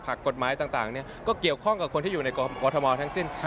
กฎหมายต่างก็เกี่ยวข้องกับคนที่อยู่ในกรทมทั้งสิ้น